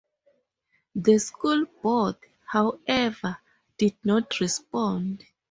The School Board, however, did not respond.